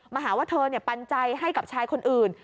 มหาว่าเธอเนี่ยปัญญาให้กับชายคนอื่น